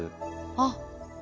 あっ。